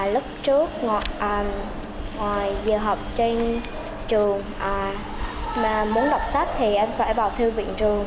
lúc trước ngoài giờ học trên trường muốn đọc sách thì em phải vào thư viện trường